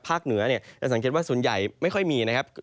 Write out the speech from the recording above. เหนือเนี่ยจะสังเกตว่าส่วนใหญ่ไม่ค่อยมีนะครับ